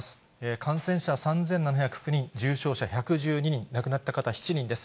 感染者３７０９人、重症者１１２人、亡くなった方は７人です。